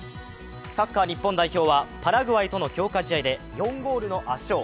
サッカー日本代表はパラグアイとの強化試合で４ゴール圧勝。